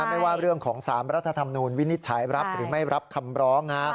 ไม่ว่าเรื่องของ๓รัฐธรรมนูญวินิจฉัยรับหรือไม่รับคำร้อง